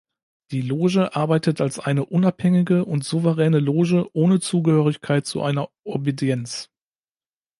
Die Loge arbeitet als eine unabhängige und souveräne Loge ohne Zugehörigkeit zu einer Obedienz.